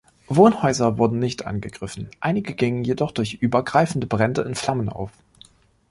Wohnhäuser wurden nicht angegriffen, einige gingen jedoch durch übergreifende Brände in Flammen auf.